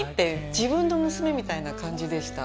自分の娘みたいな感じでした。